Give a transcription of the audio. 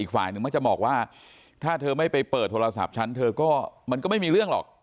ฝ่ายหนึ่งมักจะบอกว่าถ้าเธอไม่ไปเปิดโทรศัพท์ฉันเธอก็มันก็ไม่มีเรื่องหรอก